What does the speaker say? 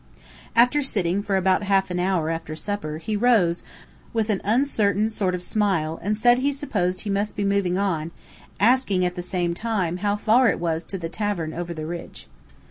After sitting for about half an hour after supper, he rose, with an uncertain sort of smile, and said he supposed he must be moving on, asking, at the same time, how far it was to the tavern over the ridge.